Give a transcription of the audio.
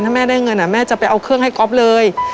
ถ้าแม่ได้เงินแม่จะไปเอาเครื่องให้ก๊อฟเลย